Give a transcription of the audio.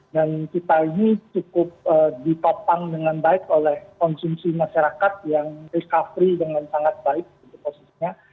dan kita ini cukup ditopang dengan baik oleh konsumsi masyarakat yang recovery dengan sangat baik gitu posisinya